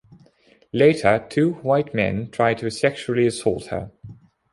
Later two white men try to sexually assault her.